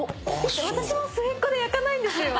私も末っ子で焼かないんですよ。